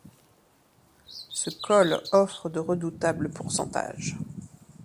Ce col offre de redoutables pourcentages.